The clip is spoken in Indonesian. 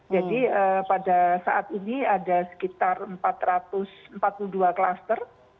jadi pada saat ini ada sekitar empat ratus empat puluh dua klaster